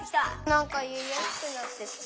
なんかいいやすくなってきた。